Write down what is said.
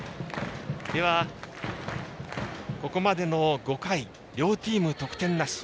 では、ここまでの５回両チーム得点なし。